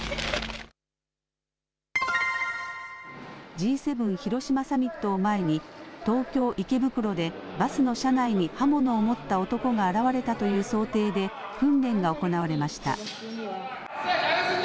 Ｇ７広島サミットを前に、東京・池袋でバスの車内に刃物を持った男が現れたという想定で、訓練が行われました。